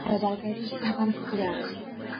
表現作用とは世界を媒介として働くことである。